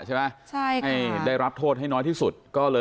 ให้รับโทษให้น้อยที่สุด